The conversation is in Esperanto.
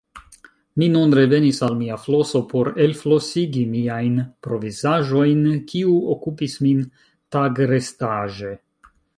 Mi nun revenis al mia floso por elflosigi miajn provizaĵojn, kiu okupis min tagrestaĵe.